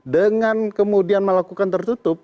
dengan kemudian melakukan tertutup